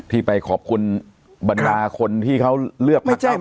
ที่ไปขอบคุณบรรดาคนที่เขาเลือกพักการเมือง